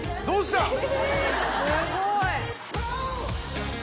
どうした⁉